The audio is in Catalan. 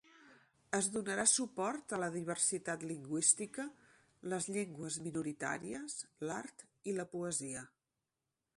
Es donarà suport a la diversitat lingüística, les llengües minoritàries, l'art i la poesia.